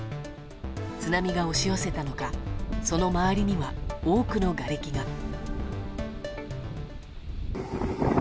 津波が押し寄せたのかその周りには多くのがれきが。